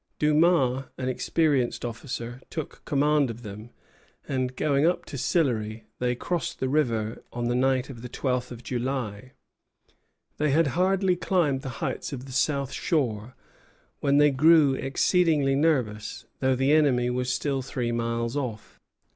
Dumas, an experienced officer, took command of them; and, going up to Sillery, they crossed the river on the night of the twelfth of July. They had hardly climbed the heights of the south shore when they grew exceedingly nervous, though the enemy was still three miles off.